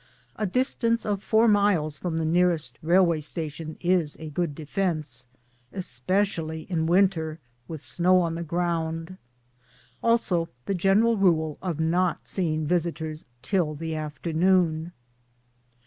A distance of four miles from the nearest rail way station is a good defence ; especi ally in winter with snow on the ground ; also the general rule of not seeing visitors till the afternoon.